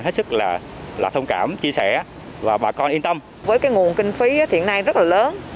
hết sức là thông cảm chia sẻ và bà con yên tâm với cái nguồn kinh phí hiện nay rất là lớn